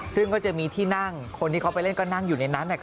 ซึ่งก็จะมีที่นั่งคนที่เขาไปเล่นก็นั่งอยู่ในนั้น